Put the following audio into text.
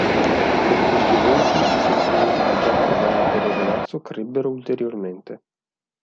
Dopo questi eventi, i sentimenti che già provava per il ragazzo crebbero ulteriormente.